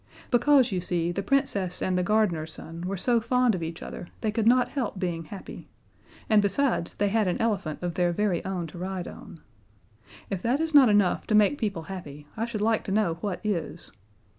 Because, you see, the Princess and the gardener's son were so fond of each other they could not help being happy and besides, they had an elephant of their very own to ride on. If that is not enough to make people happy, I should like to know what is.